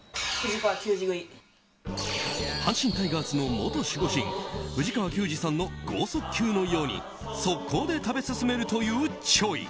阪神タイガースの元守護神藤川球児さんの剛速球のように速攻で食べ進めるというｃｈｏｙ。